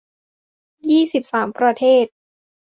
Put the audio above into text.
ยี่สิบสาม ประเทศ